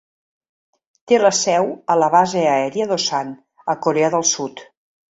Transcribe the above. Té la seu a la base aèria d'Osan a Corea del Sud.